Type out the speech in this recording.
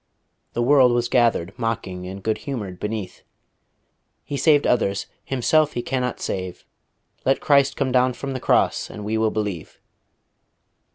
The world was gathered mocking and good humoured beneath. "_He saved others: Himself He cannot save.... Let Christ come down from the Cross and we will believe.